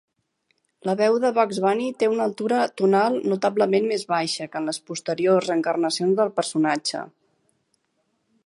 La veu de Bugs Bunny té una altura tonal notablement més baixa que en les posteriors encarnacions del personatge.